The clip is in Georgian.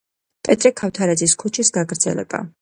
პეტრე ქავთარაძის ქუჩის გაგრძელება.